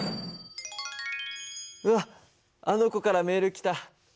うわっあの子からメール来た。